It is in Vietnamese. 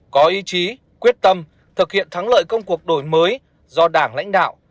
có ý chí quyết tâm thực hiện thắng lợi công cuộc đổi mới do đảng lãnh đạo